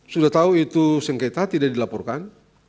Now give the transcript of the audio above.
sudah tahu itu sengketa tidak dilaporkan